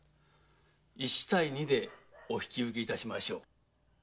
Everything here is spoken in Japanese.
一対二でお引き受けいたしましょう。